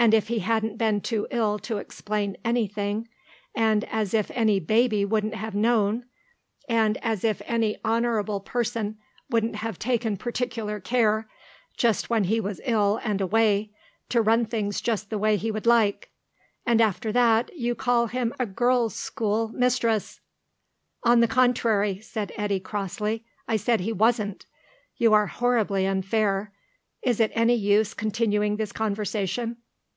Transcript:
As if he hadn't been too ill to explain anything, and as if any baby wouldn't have known, and as if any honourable person wouldn't have taken particular care, just when he was ill and away, to run things just the way he would like. And after that you call him a girls' school mistress...." "On the contrary," said Eddy, crossly, "I said he wasn't. You are horribly unfair. Is it any use continuing this conversation?"